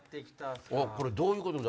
これどういうことだ？